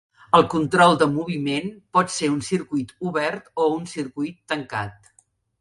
El control de moviment pot ser un circuit obert o un circuit tancat.